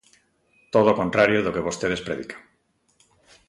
Todo o contrario do que vostedes predican.